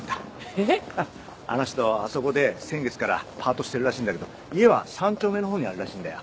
えぇ⁉あの人あそこで先月からパートしてるらしいんだけど家は３丁目の方にあるらしいんだよ。